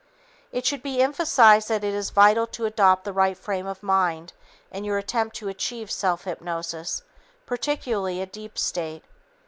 It should be emphasized that it is vital to adopt the right frame of mind in your attempt to achieve self hypnosis, particularly a deep state.